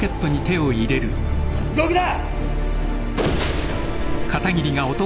動くな！